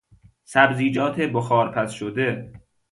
سبزیجات بخار پز شده